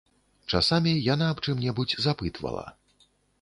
Часамі яна аб чым-небудзь запытвала.